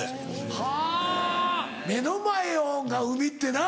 はぁ目の前が海ってな。